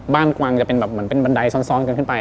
กวางจะเป็นแบบเหมือนเป็นบันไดซ้อนกันขึ้นไป